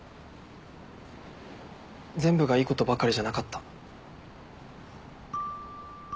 全部がいいことばかりじゃなかった。